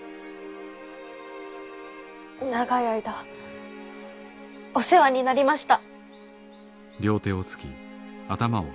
長い間お世話になりました。